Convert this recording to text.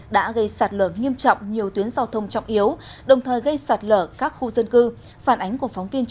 đã gây sạt lở nghiêm trọng nhiều tuyến giao thông trọng yếu đồng thời gây sạt lở các khu dân cư